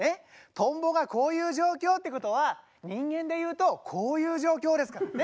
トンボがこういう状況ってことは人間で言うとこういう状況ですからね。